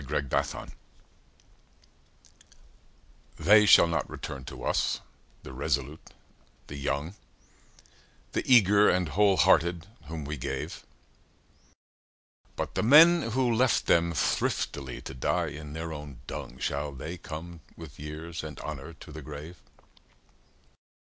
8 Autoplay 1917 They shall not return to us, the resolute, the young, The eager and whole hearted whom we gave: But the men who left them thriftily to die in their own dung, Shall they come with years and honour to the grave?